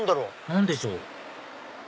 何でしょう？